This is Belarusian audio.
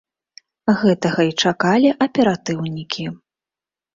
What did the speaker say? Гэтага і чакалі аператыўнікі.